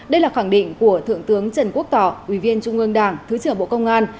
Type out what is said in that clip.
đây là khẳng định của thượng tướng trần quốc tỏ ủy viên trung ương đảng thứ trưởng bộ công an